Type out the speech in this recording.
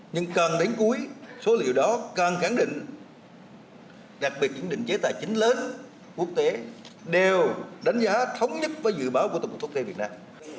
nhưng càng đến cuối số liệu đó càng khẳng định đặc biệt những định chế tài chính lớn quốc tế đều đánh giá thống nhất với dự báo của tổng cục thống kê việt nam